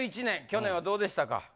２０２１年去年はどうでしたか？